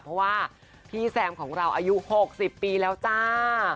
เพราะว่าพี่แซมของเราอายุ๖๐ปีแล้วจ้า